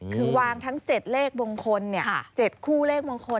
คือวางทั้ง๗เลขมงคล๗คู่เลขมงคล